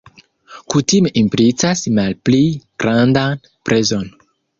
Kutime implicas malpli grandan prezon.